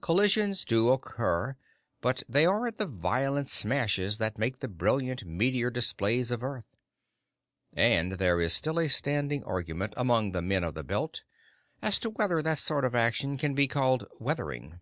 Collisions do occur, but they aren't the violent smashes that make the brilliant meteor displays of Earth. (And there is still a standing argument among the men of the Belt as to whether that sort of action can be called "weathering".)